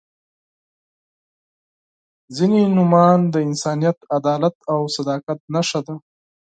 • ځینې نومونه د انسانیت، عدالت او صداقت نښه ده.